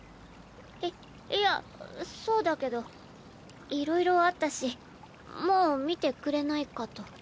いいやそうだけどいろいろあったしもう見てくれないかと。